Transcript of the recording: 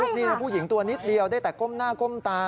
นี่นะผู้หญิงตัวนิดเดียวได้แต่ก้มหน้าก้มตา